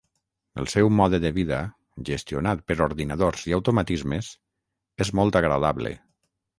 El seu mode de vida, gestionat per ordinadors i automatismes, és molt agradable.